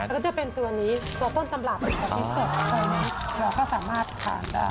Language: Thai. เขาจะเป็นตัวนี้ก็ได้